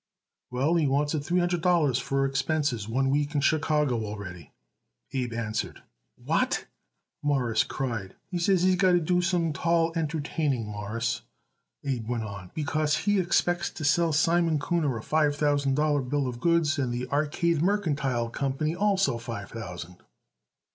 "Well, he wants it three hundred dollars for expenses one week in Chicago already," Abe answered. "What!" Morris cried. "He says he got to do some tall entertaining, Mawruss," Abe went on, "because he expects to sell Simon Kuhner a five thousand dollars bill of goods, and the Arcade Mercantile Company also five thousand."